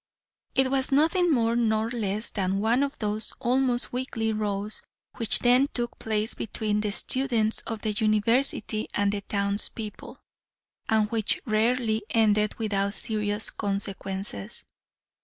It was nothing more nor less than one of those almost weekly rows which then took place between the students of the University and the town's people, and which rarely ended without serious consequences.